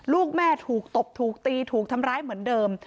ลูกแม่ถูกตบถูกตีถูกทำร้ายเหมือนเดิม